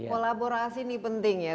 kolaborasi ini penting ya